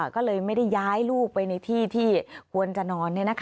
ก็เลยไม่ได้ย้ายลูกไปในที่ที่ควรจะนอน